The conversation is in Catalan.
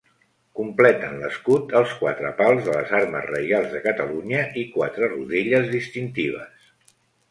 Completen l'escut els quatre pals de les armes reials de Catalunya i quatre rodelles distintives.